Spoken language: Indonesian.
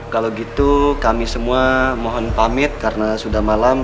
kalau gitu kami semua mohon pamit karena sudah malam